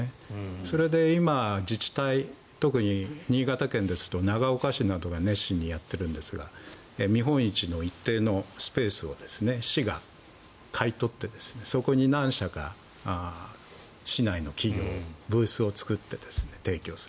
それで今、自治体特に新潟県ですと長岡市が熱心にやってますが見本市の一定のスペースを市が買い取ってそこに何社か市内の企業のブースを作って提供する。